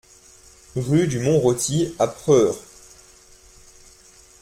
Rue du Mont Rôti à Preures